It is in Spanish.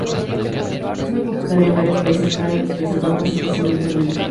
Es muy popular en varios países fuera de los Países Bajos, especialmente en Venezuela.